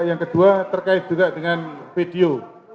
yang kedua terkait juga dengan video